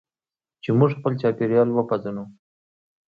چې موږ خپل چاپیریال وپیژنو.